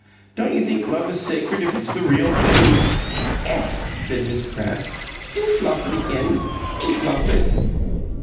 Don't you think love is sacred if it's the real thing?" "Ess," said Miss Pratt. "Do Flopit again. Be Flopit!"